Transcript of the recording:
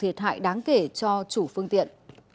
thiệt hại đáng kể cho chủ phương tiện